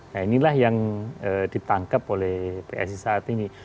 nah inilah yang ditangkap oleh psi saat ini